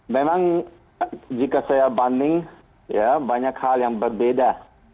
memang jika saya banding banyak hal yang berbeda